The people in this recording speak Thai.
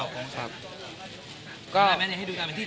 โค้งเสร็จแล้วหนูไปตรงไหนเนี่ย